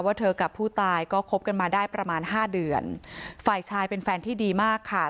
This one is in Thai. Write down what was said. เธอกับผู้ตายก็คบกันมาได้ประมาณห้าเดือนฝ่ายชายเป็นแฟนที่ดีมากค่ะ